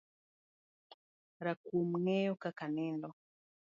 Rakuom ngeyo kaka nindo